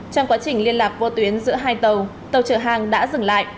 trong quá trình liên lạc vô tuyến giữa hai tàu tàu chở hàng đã dừng lại